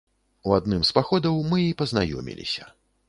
У адным з паходаў мы і пазнаёміліся.